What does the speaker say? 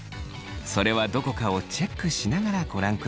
それはどこかをチェックしながらご覧ください。